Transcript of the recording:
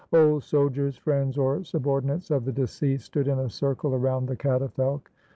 Old soldiers, friends or subordinates of the deceased, stood in a circle around the catafalque.